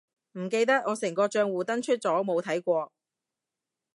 唔記得，我成個帳戶登出咗冇睇過